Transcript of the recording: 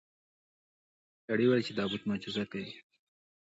سړي وویل چې دا بت معجزه کوي.